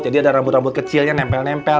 jadi ada rambut rambut kecilnya nempel nempel